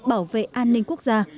bảo vệ an ninh quốc gia